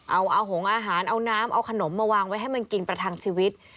เอาหงอาหารเอาน้ำเอาขนมมาวางไว้ให้มันกินประทังชีวิต